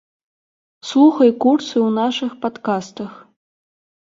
Слухай курсы ў нашых падкастах.